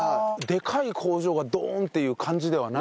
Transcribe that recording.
でかい工場がドーンっていう感じではない。